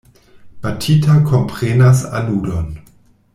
Batita komprenas aludon.